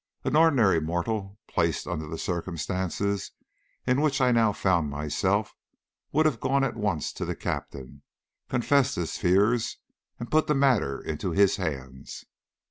An ordinary mortal placed under the circumstances in which I now found myself would have gone at once to the Captain, confessed his fears, and put the matter into his hands.